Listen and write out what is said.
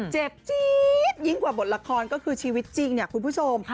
เจ็บจี๊ดยิ่งกว่าบทละครก็คือชีวิตจริงเนี่ยคุณผู้ชม